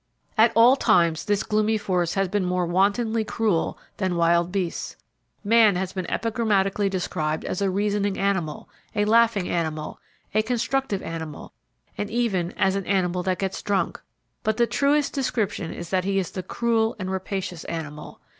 At all times this gloomy force has been more wantonly cruel than wild beasts. Man has been epigrammatically described as a reasoning animal, a laughing animal, a constructive animal and even as "an animal that gets drunk;" but the truest description is that he is the cruel and rapacious animal.